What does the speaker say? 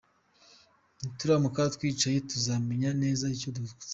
Nituramuka twicaye tuzamenya neza icyo tuzakora.